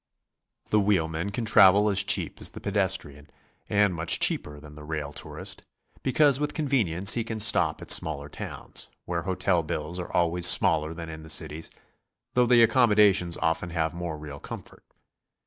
The wheelman can travel as cheap as the pedestrian, and much cheaper than the rail tourist, be cause with convenience he can stop at smaller towns, where hotel bills are always smaller than in the cities, though the accommodations often have more real comfort.